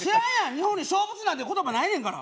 日本に「小仏」なんていう言葉ないねんから。